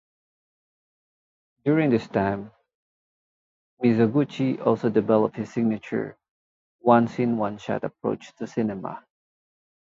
During this time, Mizoguchi also developed his signature "one-scene-one-shot" approach to cinema.